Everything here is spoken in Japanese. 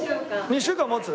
２週間持つ？